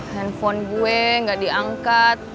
handphone gue gak diangkat